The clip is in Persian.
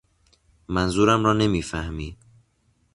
منظورم را نمی فهمی.